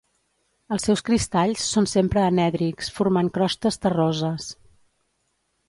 Els seus cristalls són sempre anèdrics, formant crostes terroses.